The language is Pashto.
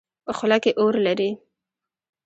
خوله کې اور لري.